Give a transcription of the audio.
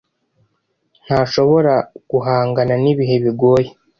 Ntashobora guhangana n'ibihe bigoye.